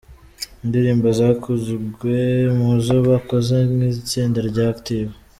Indirimbo zakunzwe mu zo bakoze nk’itsinda rya Active.